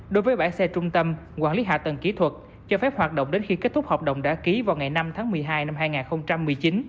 đối với bãi xe trung tâm quản lý hạ tầng kỹ thuật cho phép hoạt động đến khi kết thúc hợp đồng đã ký vào ngày năm tháng một mươi hai năm hai nghìn một mươi chín